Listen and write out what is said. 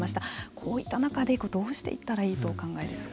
こういった中でどうしていったらいいとお考えですか。